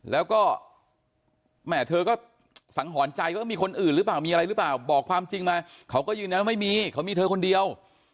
แล้วก็แม่เธอก็สังหรณ์ใจว่ามีคนอื่นหรือเปล่ามีอะไรหรือเปล่าบอกความจริงมาเขาก็ยืนยันว่าไม่มีเขามีเธอคนเดียว